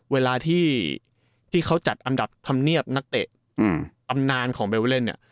เวลาที่ที่เขาจัดอันดับคำเนียบนักเตะอืมอำนานของเบเวเลนเนี่ย